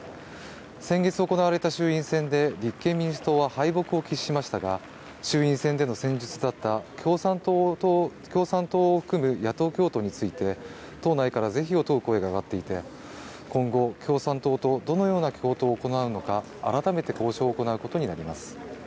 先月行われた衆院選で立憲民主党は敗北を喫しましたが、衆院選での戦術だった共産党を含む野党共闘について、党内から是非を問う声が上がっていて、今後、共産党とどのような共闘を行うのか改めて交渉を行うことになります。